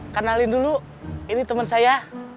kenalin dulu ini teman saya